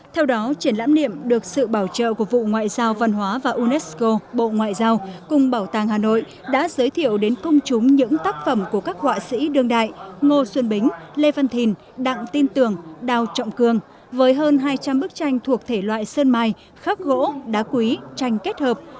theo đó triển lãm niệm được sự bảo trợ của vụ ngoại giao văn hóa và unesco bộ ngoại giao cùng bảo tàng hà nội đã giới thiệu đến công chúng những tác phẩm của các họa sĩ đương đại ngô xuân bính lê văn thìn đặng tin tường đào trọng cường với hơn hai trăm linh bức tranh thuộc thể loại sơn mai khắc gỗ đá quý tranh kết hợp